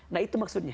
nah itu maksudnya